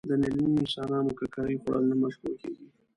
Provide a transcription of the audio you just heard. د میلیونونو انسانانو ککرې خوړل نه مشبوع کېږي.